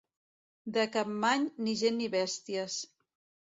De Campmany, ni gent ni bèsties.